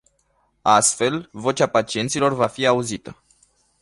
Astfel, "vocea pacienților” va fi auzită.